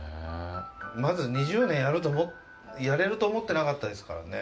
まず２０年やれると思ってなかったですからね。